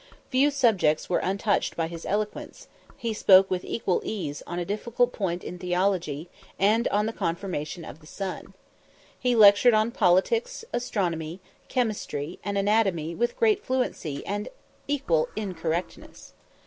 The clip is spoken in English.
Few subjects were untouched by his eloquence; he spoke with equal ease on a difficult point in theology, and on the conformation of the sun. He lectured on politics, astronomy, chemistry, and anatomy with great fluency and equal incorrectness.